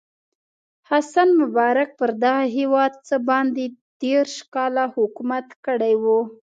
حسن مبارک پر دغه هېواد څه باندې دېرش کاله حکومت کړی و.